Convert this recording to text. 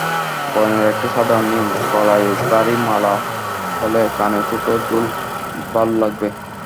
গয়নার একটা সাধারণ নিয়ম—গলায় ভারী মালা হলে কানে ছোট দুল ভালো লাগবে।